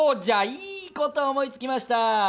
いいこと思いつきました。